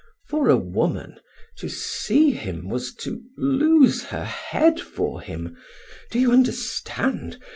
For a woman, to see him was to lose her head for him; do you understand?